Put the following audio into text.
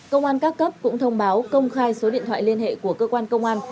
công an các cấp cũng thông báo công khai số điện thoại liên hệ của cơ quan công an